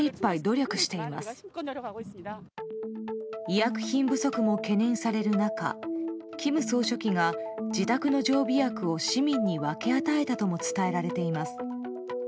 医薬品不足も懸念される中金総書記が自宅の常備薬を市民に分け与えたとも伝えられています。